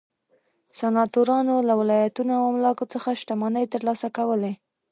سناتورانو له ولایتونو او املاکو څخه شتمنۍ ترلاسه کولې.